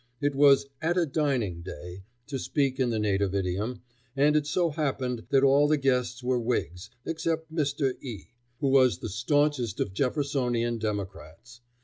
It was "at a dining day," to speak in the native idiom, and it so happened that all the guests were Whigs, except Mr. E , who was the staunchest of Jeffersonian Democrats.